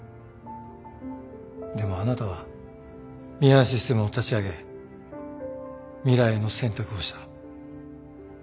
でもあなたはミハンシステムを立ち上げ未来の選択をした。